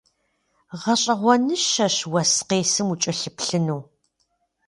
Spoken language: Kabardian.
Гъэщӏэгъуэныщэщ уэс къесым укӏэлъыплъыну.